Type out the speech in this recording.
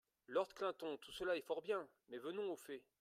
Lord Clinton Tout cela est fort bien, mais venons au fait.